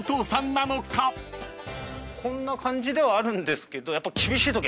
こんな感じではあるんですけど。